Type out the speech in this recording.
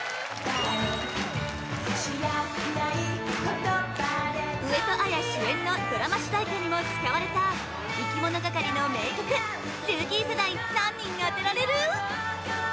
知らない台詞で上戸彩主演のドラマ主題歌にも使われたいきものがかりの名曲ルーキー世代何人当てられる？